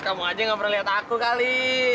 kamu aja gak pernah lihat aku kali